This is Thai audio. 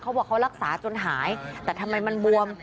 เขาบอกเขารักษาจนหายแต่ทำไมมันบวม